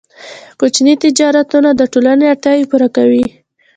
کوچني تجارتونه د ټولنې اړتیاوې پوره کوي.